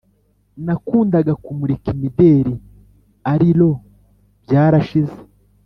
Nakundaga kumurika imideli arilo bbyarashize